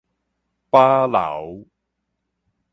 飽流